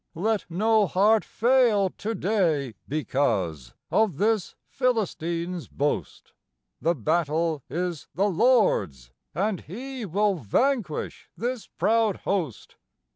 "Let no heart fail to day because of this Philistine's boast; The battle is the Lord's and He will vanquish this proud host."